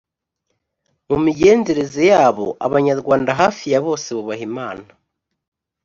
mu migenzereze yabo, abanyarwanda hafi ya bose bubaha imana